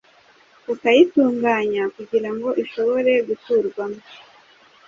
ukayitunganya kugira ngo ishobore guturwamo.